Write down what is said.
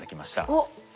おっ。